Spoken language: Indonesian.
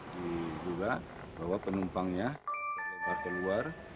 diduga bahwa penumpangnya terlempar keluar